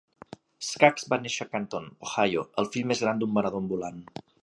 Scaggs va néixer a Canton (Ohio), el fill més gran d'un venedor ambulant.